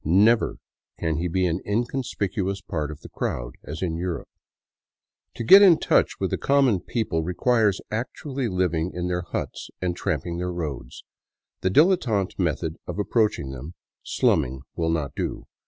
Never caq he be an inconspicuous part of the crowd, as in Europe. To get in touch with the " common people " requires actually living in their huts and tramping their roads. The dilettante method of approaching them, " slumming," will not do.